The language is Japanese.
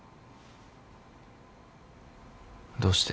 どうして？